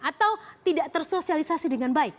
atau tidak tersosialisasi dengan baik